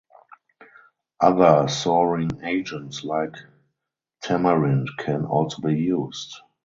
Other souring agents like tamarind can also be used.